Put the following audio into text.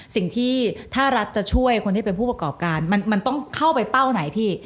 สิ่งที่ถ้ารัฐจะช่วยคนที่เป็นผู้ประกอบการมันต้องเข้าไปเป้าไหนพี่